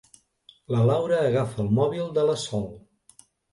La Laura agafa el mòbil de la Sol.